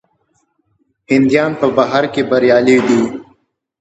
هندیان په بهر کې بریالي دي.